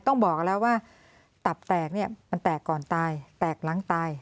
ต้องบอกแล้วว่าตับแตกเนี่ยมันแตกก่อนตายแตกหลังตาย